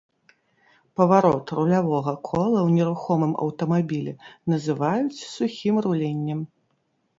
Паварот рулявога кола ў нерухомым аўтамабілі называюць сухім руленнем.